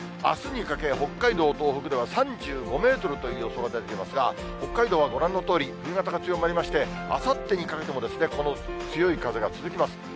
あすにかけ、北海道、東北では３５メートルという予想が出ていますが、北海道はご覧のとおり、冬型が強まりまして、あさってにかけてもこの強い風が続きます。